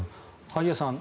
萩谷さん